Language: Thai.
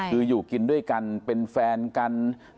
คืออยู่กินด้วยกันเป็นแฟนกัน